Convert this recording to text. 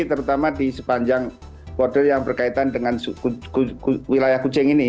terutama di sepanjang model yang berkaitan dengan wilayah kucing ini